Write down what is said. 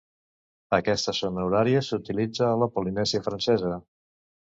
Aquesta zona horària s'utilitza a la Polinèsia Francesa.